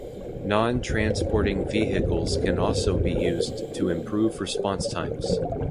Non-transporting vehicles can also be used to improve response times.